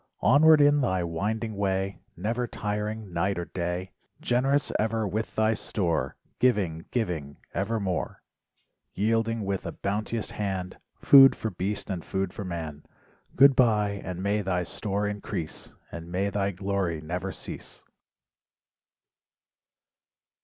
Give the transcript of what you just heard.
Onward in thy winding way Never tiring night or day, Generous ever with thy store. Giving, giving evermore. Yielding with a bounteous hand Food for beast and food for man, Goodbye, and may thy store increase, And may thy glory never cease.